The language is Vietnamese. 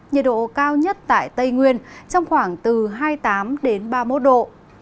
nhiệt độ cao nhất tại tây nguyên trong khoảng từ hai mươi tám đến ba mươi một độ